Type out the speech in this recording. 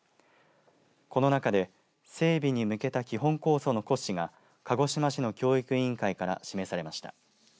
この中で整備に向けた基本構想の骨子が鹿児島市の教育委員会から示されました。